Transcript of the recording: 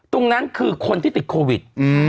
ตรงนั้นคือคนที่ติดโควิด